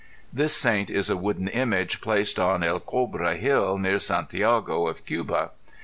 This saint is a wooden image placed on El Cobre hill near Santiago of Cuba.